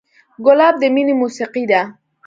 ګلاب د مینې موسیقي ده.